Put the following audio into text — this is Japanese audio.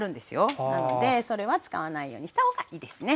なのでそれは使わないようにしたほうがいいですね。